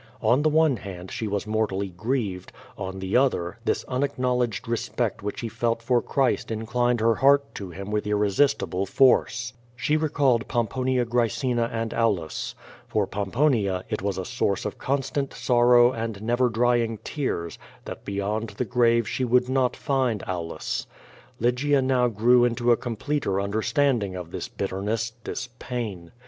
On the one hand she was mortally grieved, on the other this unacknowledged respect which he felt for Christ inclined her heart to him with irresistible force. She recalled Pomponia Graecina and Aulus. For Pomponia it was a source of constant sorrow and never drying tears that beyond the grave she would not find Aulus. Lygia now grew into a completer understanding of this bitterness, this pain.